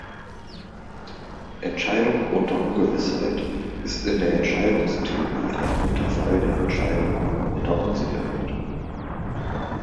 Entscheidung unter Ungewissheit ist in der Entscheidungstheorie ein Unterfall der Entscheidung unter Unsicherheit.